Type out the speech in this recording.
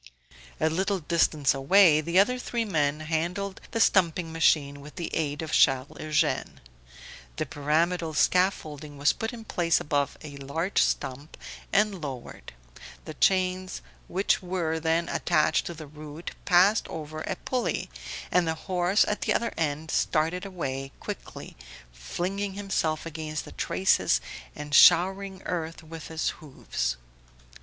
A little distance away the other three men handled the stumping machine with the aid of Charles Eugene. The pyramidal scaffolding was put in place above a large stump and lowered, the chains which were then attached to the root passed over a pulley, and the horse at the other end started away quickly, flinging himself against the traces and showering earth with his hoofs.